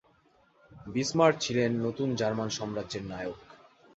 Bismarck ছিলেন নতুন German সাম্রাজ্যের নায়ক।